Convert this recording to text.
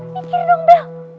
pikir dong bel